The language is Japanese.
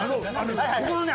ここのね。